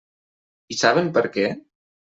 I saben per què?